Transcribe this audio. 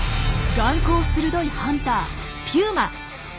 眼光鋭いハンターピューマ。